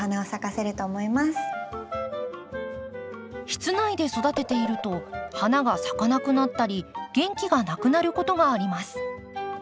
室内で育てていると花が咲かなくなったり元気がなくなることがあります。